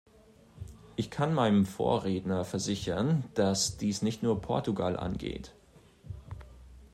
Ich kann meinem Vorredner versichern, dass dies nicht nur Portugal angeht.